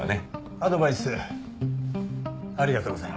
アドバイスありがとうございます。